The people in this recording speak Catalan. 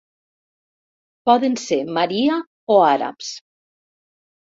Poden ser Maria o àrabs.